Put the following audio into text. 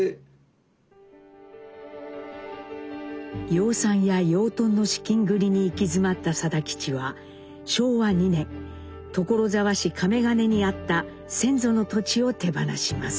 養蚕や養豚の資金繰りに行き詰まった定吉は昭和２年所沢市神米金にあった先祖の土地を手放します。